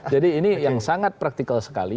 jadi ini yang sangat praktikal sekali